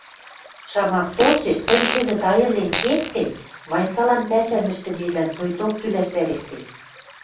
Шамак толшеш, тӹнь кӹзӹт айырлен кет гӹнь, Вайсалан пӓшӓм ӹштӹметлӓн соикток тӱлӓш вӓрештеш.